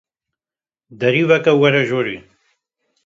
Derî veke û were jorê